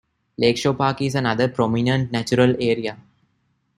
Lakeshore Park is another prominent natural area.